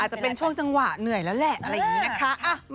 จะเป็นช่วงจังหวะเหนื่อยแล้วแหละอะไรอย่างนี้นะคะ